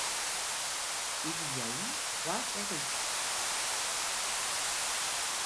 Il y a eu trois séries.